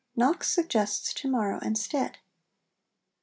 Knox suggests to morrow instead.